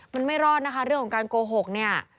มันไม่รอดนะคะเรื่องของการโกหกเนี่ย